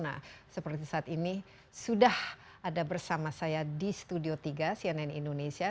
nah seperti saat ini sudah ada bersama saya di studio tiga cnn indonesia